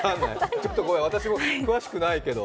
ちょっとごめん、私も詳しくないけど。